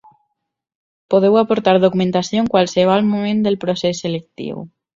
Podeu aportar documentació en qualsevol moment del procés selectiu.